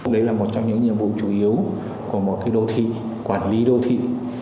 đó là một trong những nhiệm vụ chủ yếu của một cái đô thị quản lý đô thị